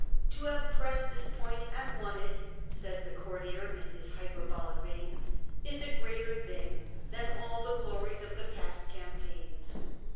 ' To have pressed this point and won it,' says the courtier, in his hyperbolic vein, ' is a greater thing than all the glories of the past campaigns.